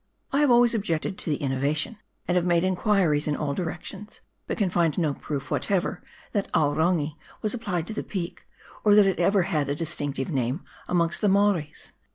I have always objected to the innovation, and have made inquiries in all directions, but can find no proof whatever that " Aorangi " was applied to the peak, or that it ever had a distinctive name amongst the Maoris.